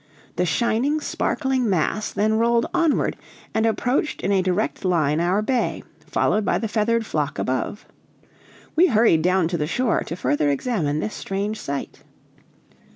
The shining, sparkling mass then rolled onward, and approached in a direct line our bay, followed by the feathered flock above. We hurried down to the shore to further examine this strange sight.